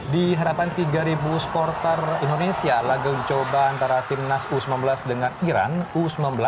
di harapan tiga sporter indonesia lagal dicoba antara tim nas u sembilan belas dengan iran u sembilan belas